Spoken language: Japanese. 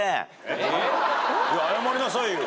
いや謝りなさいよ。